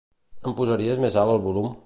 Ens posaries més alt el volum?